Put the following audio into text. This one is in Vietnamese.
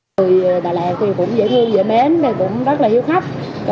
người đà lạt cũng dễ thương dễ mến rất là hiếu khách